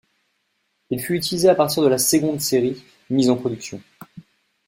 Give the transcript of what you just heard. Il fut utilisé à partir de la seconde série mise en production.